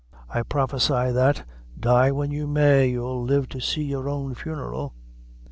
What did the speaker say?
I prophecy that, die when you may, you'll live to see your own funeral."